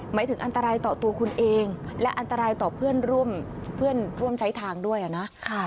หมายถึงอันตรายต่อตัวคุณเองและอันตรายต่อเพื่อนร่วมเพื่อนร่วมใช้ทางด้วยนะ